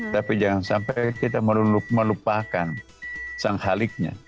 tapi jangan sampai kita melupakan sang haliknya